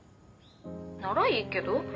☎ならいいけど。